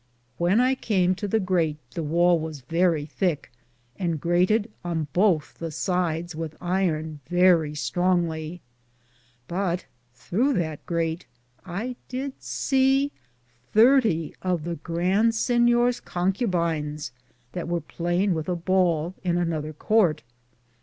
When I came to the grait the wale was verrie thicke, and graited on bothe the sides with iron verrie strongly ; but through that graite I did se thirtie of the Grand Sinyor's Concobines that weare playinge with a bale in another courte.